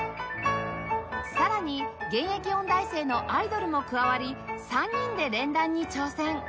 さらに現役音大生のアイドルも加わり３人で連弾に挑戦